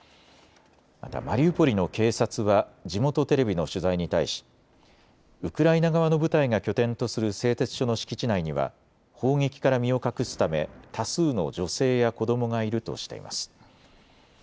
またマリウポリの警察は地元テレビの取材に対しウクライナ側の部隊が拠点とする製鉄所の敷地内には砲撃から身を隠すため多数の女性や子どもがいるとしています。